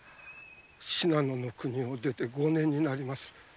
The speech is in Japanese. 信濃の国を出て五年になります。